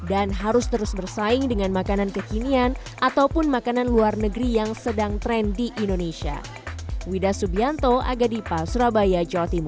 dan harus terus bersaing dengan makanan kekinian ataupun makanan luar negeri yang sedang tren di indonesia